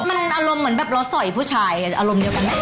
มันอารมณ์เหมือนแบบเราสอยผู้ชายอารมณ์เดียวกันไหม